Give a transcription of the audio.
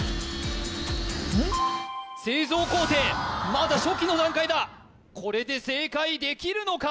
まだ初期の段階だこれで正解できるのか？